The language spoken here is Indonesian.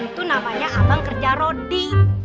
itu namanya abang kerja rodi